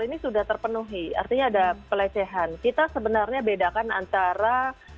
ini sudah terpenuhi artinya ada pelecehan kita sebenarnya bedakan antara